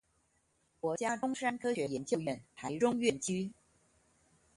國家中山科學研究院臺中院區